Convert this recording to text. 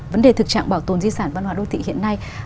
vấn đề thực trạng bảo tồn di sản văn hóa đô thị hiện nay